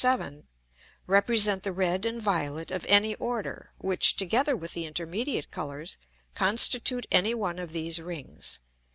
_ 7.] represent the red and violet of any Order, which, together with the intermediate Colours, constitute any one of these Rings.